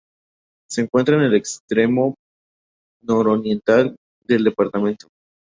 Se encuentra en el extremo nororiental del departamento.